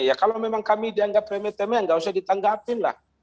ya kalau memang kami dianggap reme teme ya nggak usah ditanggapin lah